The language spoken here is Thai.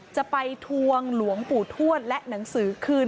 จะไปทวงหลวงปู่ทวดและหนังสือคืน